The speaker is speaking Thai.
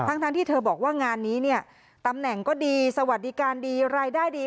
ทั้งที่เธอบอกว่างานนี้เนี่ยตำแหน่งก็ดีสวัสดิการดีรายได้ดี